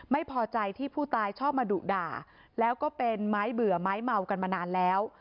ไม่พอใจที่ผู้ตายชอบมาดุด่าแล้วก็เป็นไม้เบื่อไม้เมากันมานานแล้ว